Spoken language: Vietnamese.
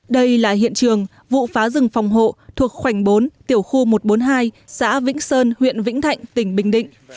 đây là hiện trường vụ phá rừng phòng hộ thuộc khoảnh bốn tiểu khu một trăm bốn mươi hai xã vĩnh sơn huyện vĩnh thạnh tỉnh bình định